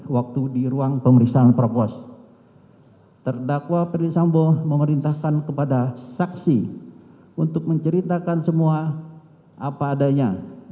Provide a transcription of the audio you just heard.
waktu di ruang pemeriksaan propos terdakwa perdisambo memerintahkan kepada saksi untuk menceritakan semua apa adanya